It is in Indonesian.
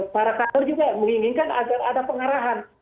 para kader juga menginginkan agar ada pengarahan